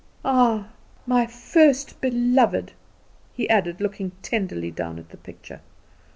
"Ah, my first, my beloved!" he added, looking tenderly down at the picture.